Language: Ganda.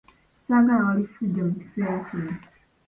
Saagala wali ffujjo mu kiseera kino.